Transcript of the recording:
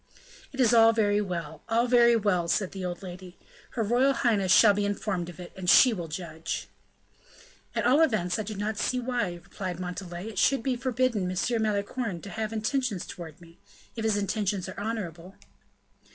"It is all very well! all very well!" said the old lady. "Her royal highness shall be informed of it, and she will judge." "At all events, I do not see why," replied Montalais, "it should be forbidden M. Malicorne to have intentions towards me, if his intentions are honorable."